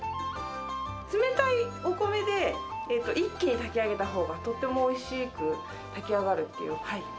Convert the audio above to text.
冷たいお米で、一気に炊き上げたほうがとてもおいしく炊きあがるっていう。